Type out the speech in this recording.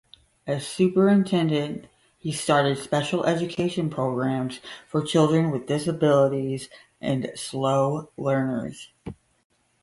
As superintendent, he started special education programs for children with disabilities and slow learners.